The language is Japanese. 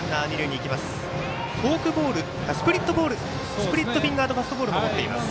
スプリットフィンガーファストボールも持っています。